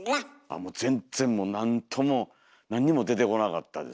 もう全然なんともなんにも出てこなかったです。